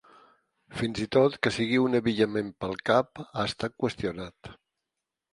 Fins i tot que sigui un abillament pel cap ha estat qüestionat.